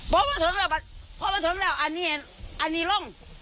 บอกว่าถึงแล้วพอมาถึงแล้วอันนี้ล่ม